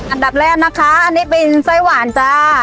อันดับแรกนะคะอันนี้เป็นไส้หวานจ้า